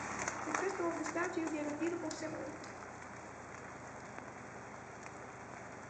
The crystal of the statue gave a beautiful shimmer.